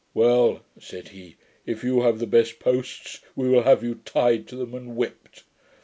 'Well,' said he, 'if you HAVE the best POSTS, we will have you tied to them and whipped.'